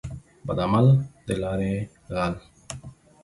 بد عمل دلاري غل.